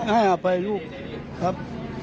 ให้อภัยลูกครับ